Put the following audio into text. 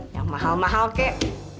yang mahal mahal kek